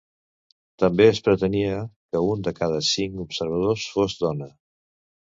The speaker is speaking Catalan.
També es pretenia que un de cada cinc observadors fos dona.